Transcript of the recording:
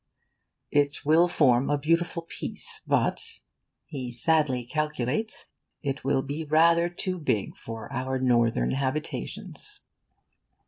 'It will form a beautiful piece, but,' he sadly calculates, 'it will be rather too big for our northern habitations.